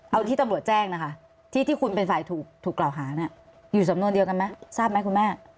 เอาที่ตำรวจแจ้งนะคะที่คุณเป็นฝ่ายถูกกล่าวหาเนี่ยอยู่สำนวนเดียวกันไหมทราบไหมคุณแม่